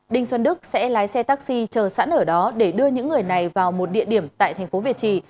đinh xuân đức sẽ lái xe taxi chờ sẵn ở đó để đưa những người này vào một địa điểm tại thành phố việt trì